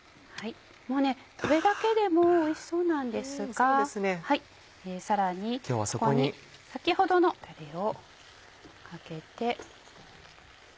これだけでもおいしそうなんですがさらにそこに先ほどのたれをかけて。